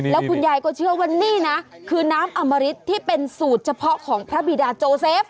แล้วคุณยายก็เชื่อว่านี่นะคือน้ำอมริตที่เป็นสูตรเฉพาะของพระบิดาโจเซฟ